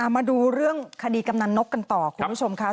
มาดูเรื่องคดีกำนันนกกันต่อคุณผู้ชมค่ะ